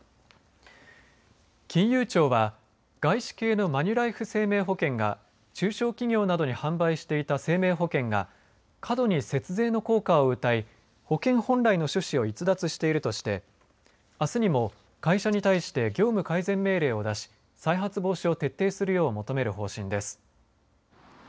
金融庁は外資系のマニュライフ生命保険が中小企業などに販売していた生命保険が過度に節税の効果をうたい保険本来の趣旨を逸脱しているとしてあすにも会社に対して業務改善命令を出し再発防止を徹底するよう求める方針です。